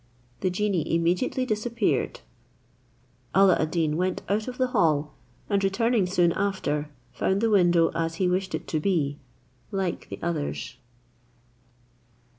The genie immediately disappeared. Alla ad Deen went out of the hall, and returning soon after, found the window, as he wished it to be, like the others.